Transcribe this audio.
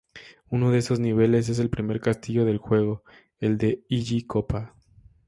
Uno de esos niveles es el primer castillo del juego, el de Iggy Koopa.